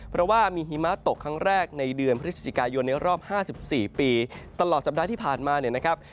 เพราะว่ามีหิมะตกครั้งแรกในเดือนพฤศจิกายนในรอบ๕๔ปีตลอดสัปดาห์ที่ผ่านมาเนี่ยนะครับ